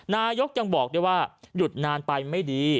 นายกยังบอกด้วยว่าหยุดนานไปไม่ดี